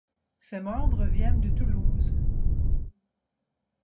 Ses membres viennent de Toulouse.